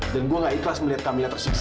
dan gue gak ikhlas melihat kamila tersiksa